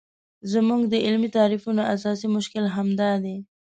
زموږ د علمي تعریفونو اساسي مشکل همدا دی.